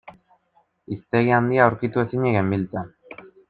Hiztegi handia aurkitu ezinik genbiltzan.